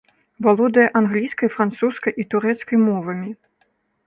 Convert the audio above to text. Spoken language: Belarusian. Валодае англійскай, французскай і турэцкай мовамі.